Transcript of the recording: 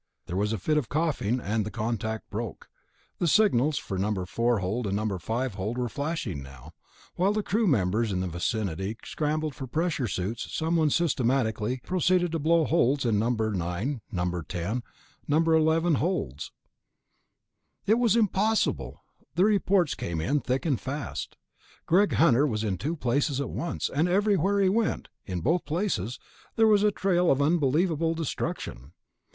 There was a fit of coughing and the contact broke. The signals for No. 4 hold and No. 5 hold were flashing now; while the crew members in the vicinity scrambled for pressure suits someone systematically proceeded to blow holes in No. 9, No. 10 and No. 11 holds.... It was impossible. The reports came in thick and fast. Greg Hunter was in two places at once, and everywhere he went ... in both places ... there was a trail of unbelievable destruction.